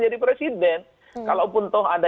jadi presiden kalaupun toh ada